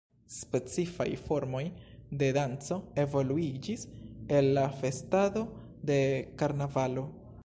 Specifaj formoj de danco evoluiĝis el la festado de karnavalo.